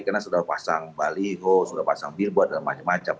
karena sudah pasang baliho sudah pasang bilboat dan macam macam